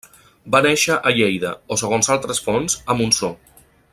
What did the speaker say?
Va néixer a Lleida o, segons altres fonts, a Montsó.